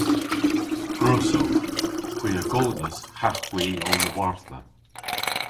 Gwrussowgh. Hwi a godhas ha hwi ow lowartha.